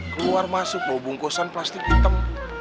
keluar masuk loh bungkusan plastik hitam